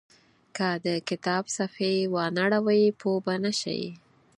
که د کتاب صفحې وانه ړوئ پوه به نه شئ.